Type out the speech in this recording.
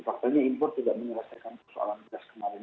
faktanya impor tidak mengerasakan persoalan beras kemarin